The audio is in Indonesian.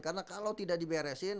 karena kalau tidak diberesin